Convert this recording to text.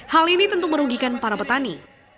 hal ini tentu merugikan para petani